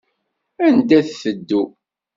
Anda nteddu?